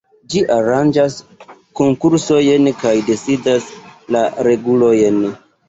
Ĝi aranĝas konkursojn kaj decidas la regulojn.